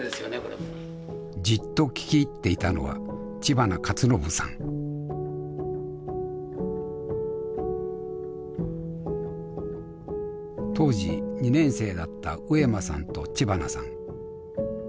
じっと聞き入っていたのは当時２年生だった上間さんと知花さん。